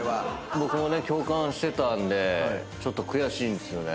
僕もね共感してたんでちょっと悔しいんですよね。